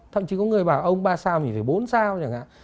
thậm chí có người bảo ông ba sao mình phải bốn sao chẳng hạn